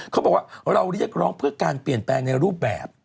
เขาบอกว่าเราเรียกร้องเพื่อการเปลี่ยนแปลงในรูปแบบ